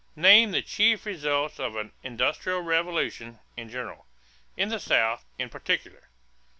Name the chief results of an "industrial revolution" in general. In the South, in particular.